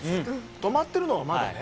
止まってるのはまだね。